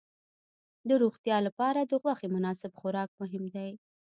د روغتیا لپاره د غوښې مناسب خوراک مهم دی.